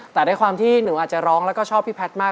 แต่ด้วยความที่หนูอาจจะร้องแล้วก็ชอบพี่แพทย์มาก